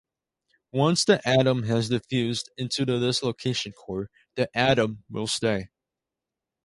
Once the atom has diffused into the dislocation core the atom will stay.